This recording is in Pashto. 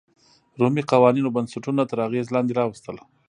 رومي قوانینو بنسټونه تر اغېز لاندې راوستل.